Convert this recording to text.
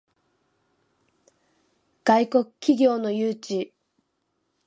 外国企業の誘致